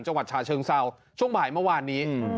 จังหวัดชาเชิงเซาช่วงบ่ายเมื่อวานนี้